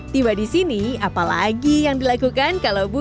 tiba disini apalagi yang dilakukan kalau bukan